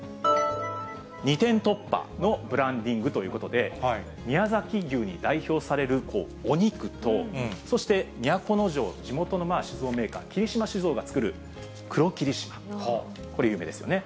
二点突破のブランディングということで、宮崎牛に代表されるお肉と、そして都城、地元の酒造メーカー、霧島酒造が造る黒霧島、これ、有名ですよね。